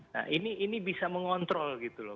nah ini bisa mengontrol gitu loh